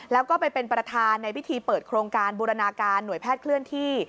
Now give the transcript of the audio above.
แล้วก็ไปเป็นประธานในพิธีเปิดโครงการบูรณาการหน่วยแพทย์เคลื่อนที่